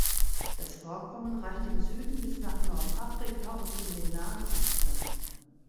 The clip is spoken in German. Das Vorkommen reicht im Süden bis nach Nordafrika und in den Nahen Osten.